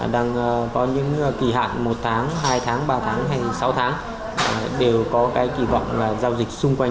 đang có những kỳ hạn một tháng hai tháng ba tháng hay sáu tháng đều có kỳ vọng là giao dịch xung quanh